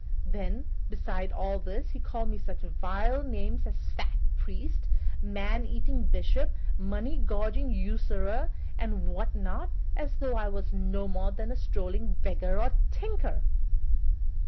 Then, besides all this, he called me such vile names as 'fat priest,' 'man eating bishop,' 'money gorging usurer,' and what not, as though I were no more than a strolling beggar or tinker."